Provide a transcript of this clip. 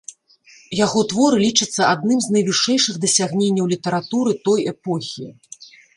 Яго творы лічацца адным з найвышэйшых дасягненняў літаратуры той эпохі.